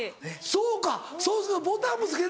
そうかそうするとボタンもつけれないのか。